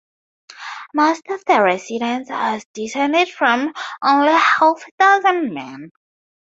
Most of the residents are descended from only half a dozen men.